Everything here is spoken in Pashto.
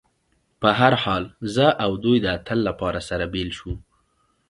په هر حال، زه او دوی د تل لپاره سره بېل شو.